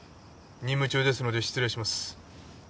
任務中ですので失礼します。